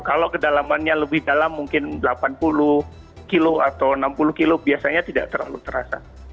kalau kedalamannya lebih dalam mungkin delapan puluh kilo atau enam puluh kilo biasanya tidak terlalu terasa